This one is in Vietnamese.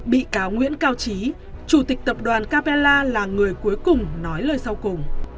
bị cáo nguyễn cao trí chủ tịch tập đoàn capella là người cuối cùng nói lời sau cùng